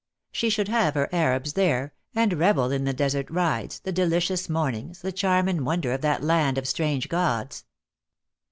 She should have her Arabs there, and revel in the desert rides, the delicious mornings, the charm and wonder of that land of strange gods.